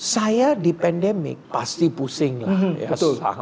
saya di pandemic pasti pusing lah